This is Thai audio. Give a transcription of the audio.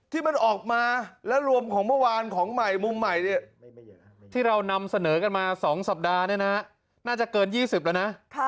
ที่มันออกมาแล้วรวมของเมื่อวานของใหม่มุมใหม่ที่เรานำเสนอกันมา๒สัปดาห์เนี่ยนะน่าจะเกิน๒๐แล้วนะ